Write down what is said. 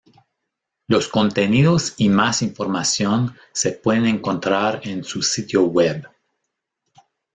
Los contenidos y más información se pueden encontrar en su sitio web.